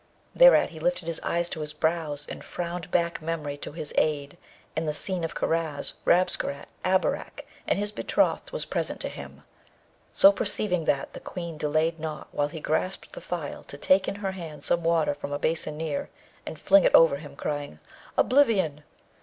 Thereat, he lifted his eyes to his brows and frowned back memory to his aid, and the scene of Karaz, Rabesqurat, Abarak, and his betrothed was present to him. So perceiving that, the Queen delayed not while he grasped the phial to take in her hands some water from a basin near, and flung it over him, crying, 'Oblivion!'